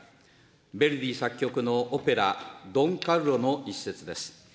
ヴェルディ作曲のオペラ、「ドン・カルロ」の一節です。